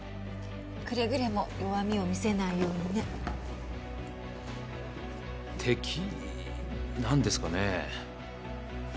くれぐれも弱みを見せないようにね敵なんですかねえ